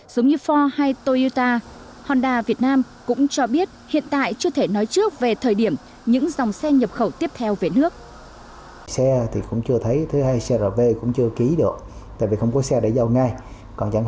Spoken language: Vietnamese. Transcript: giống như for hay toyota honda việt nam cũng cho biết hiện tại chưa thể nói trước về thời điểm những dòng xe nhập khẩu tiếp theo về nước